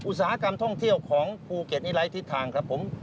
อุตสาหกรรมท่องเที่ยวของภูเก็ตนี่ไร้ทิศทางครับผม